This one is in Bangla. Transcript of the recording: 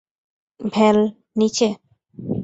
ভ্যাল, নিচে!